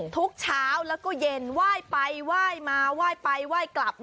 ทุกเช้าแล้วก็เย็นว่ายไปว่ายมาว่ายไปว่ายกลับ